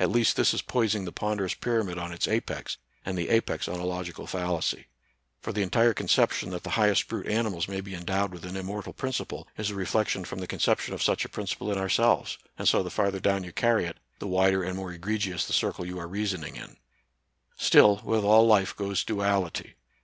At least this is poising the ponderous pyramid on its apex, and the apex on a logical fallacy. For the entire conception that the highest brute animals may be endowed with an immortal prin ciple is a reflection from the conception of such NATURAL SCIENCE AND RELIGION. 105 a principle in ourselves ; and so the farther down you carry it, the wider and more egregious the circle you are reasoning in. Still, with all life goes duality.